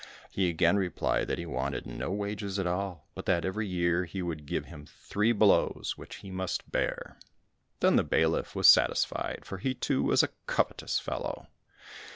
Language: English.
He again replied that he wanted no wages at all, but that every year he would give him three blows, which he must bear. Then the bailiff was satisfied, for he, too, was a covetous fellow.